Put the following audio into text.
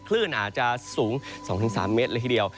คลื่นอาจจะสูง๒๓เมตรเลยทีเดียว